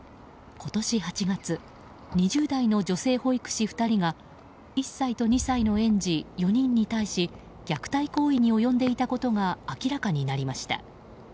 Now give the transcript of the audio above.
今年８月２０代の女性保育士２人が１歳と２歳の園児４人に対し虐待行為に及んでいたことが明らかになりました。